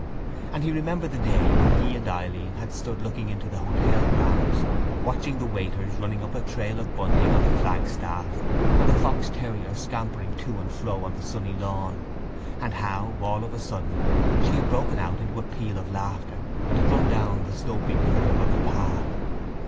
And he remembered the day when he and Eileen had stood looking into the hotel grounds, watching the waiters running up a trail of bunting on the flagstaff and the fox terrier scampering to and fro on the sunny lawn, and how, all of a sudden, she had broken out into a peal of laughter and had run down the sloping curve of the path.